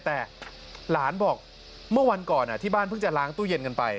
แต่หลานบอกเมื่อวันก่อนที่บ้านเพิ่งจะล้างตู้เย็นกันไป